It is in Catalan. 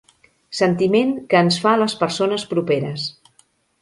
Sentiment que ens fa les persones properes.